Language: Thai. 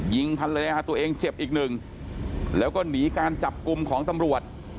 พันเลยฮะตัวเองเจ็บอีกหนึ่งแล้วก็หนีการจับกลุ่มของตำรวจ